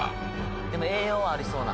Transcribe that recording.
でも栄養ありそうな